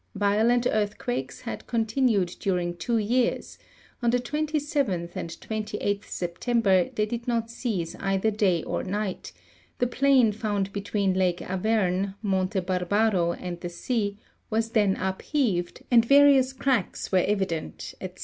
Violent earthquakes had continued during two years : on the 27th and 28th September they did not cease either day or night ; the plain found between Lake Averne, Montc Barbaro and the sea, was then upheaved, and various cracks were evident, Sfc.